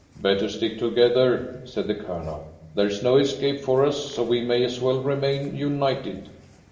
"Better stick together," said the Colonel. "There's no escape for us, so we may as well remain united."